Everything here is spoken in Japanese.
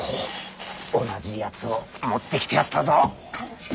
同じやつを持ってきてやったぞ。